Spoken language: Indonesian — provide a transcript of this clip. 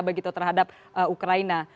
begitu terhadap ukraina